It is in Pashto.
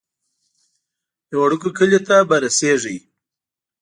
یو وړوکی کلی ته به رسیږئ.